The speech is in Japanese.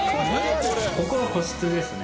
ここは個室ですね。